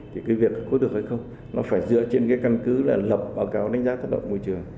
thì cái việc có được hay không nó phải dựa trên cái căn cứ là lập báo cáo đánh giá tác động môi trường